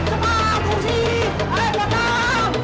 kalau kamu memang hebat